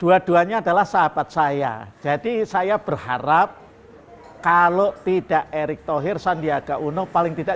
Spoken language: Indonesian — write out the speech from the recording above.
dua duanya adalah sahabat saya jadi saya berharap kalau tidak erick thohir sandiaga uno paling tidak